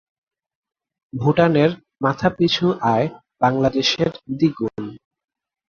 ভুটানের মাথাপিছু আয় বাংলাদেশের দ্বিগুণ।